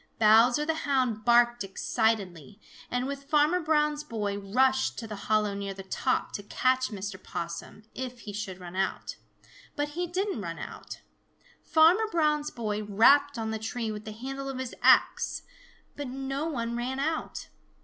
Bowser the Hound barked excitedly, and with Farmer Brown's boy rushed to the hollow near the top to catch Mr. Possum, if he should run out. But he didn't run out. Farmer Brown's boy rapped on the tree with the handle of his axe, but no one ran out.